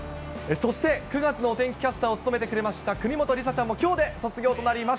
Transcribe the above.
そして９月のお天気キャスターを務めてくれました、国本梨紗ちゃんも、きょうで卒業となります。